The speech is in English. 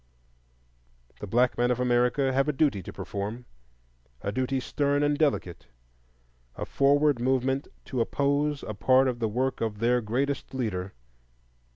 The black men of America have a duty to perform, a duty stern and delicate,—a forward movement to oppose a part of the work of their greatest leader.